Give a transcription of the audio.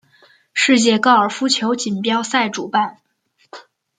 世界高尔夫球锦标赛主办。